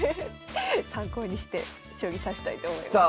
参考にして将棋指したいと思います。